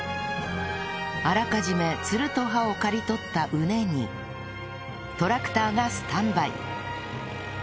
あらかじめツルと葉を刈り取った畝にトラクターがスタンバイ